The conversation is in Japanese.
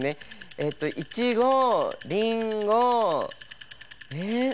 えっといちごりんごえ？